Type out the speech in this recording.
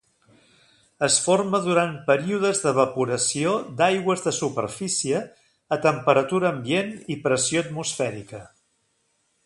Es forma durant períodes d’evaporació d’aigües de superfície a temperatura ambient i pressió atmosfèrica.